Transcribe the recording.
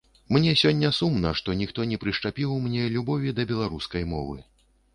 Мне сёння сумна, што ніхто не прышчапіў мне любові да беларускай мовы.